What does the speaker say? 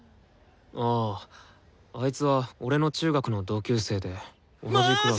あああいつは俺の中学の同級生で同じクラスの。